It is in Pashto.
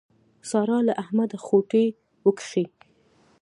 سارا له احمده خوټې وکښې.